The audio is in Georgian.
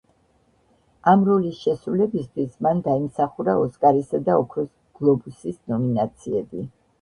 ამ როლის შესრულებისთვის მან დაიმსახურა ოსკარისა და ოქროს გლობუსის ნომინაციები.